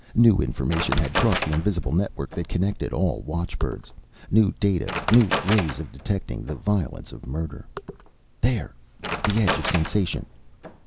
New information had crossed the invisible network that connected all watchbirds. New data, new ways of detecting the violence of murder. There! The edge of a sensation!